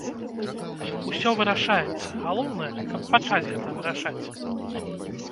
Усё вырашаецца, галоўнае, каб пачаць гэта вырашаць.